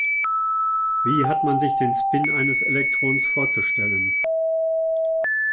Wie hat man sich den Spin eines Elektrons vorzustellen?